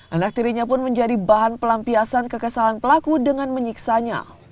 anak tirinya pun menjadi bahan pelampiasan kekesalan pelaku dengan menyiksanya